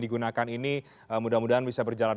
digunakan ini mudah mudahan bisa berjalan